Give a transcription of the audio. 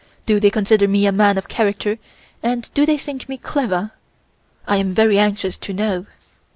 Do they consider me a man of character and do they think me clever? I am very anxious to know."